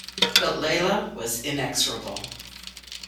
But Layla was inexorable.